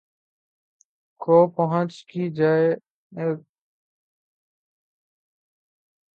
کو پہنچ جائے کہ نہ اس کی